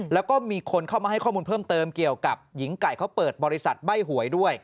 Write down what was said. แล้วก็มีคนเข้ามาให้ข้อมูลเพิ่มเติมเกี่ยวกับหญิงไก่เขาเปิดบริษัทใบ้หวยด้วย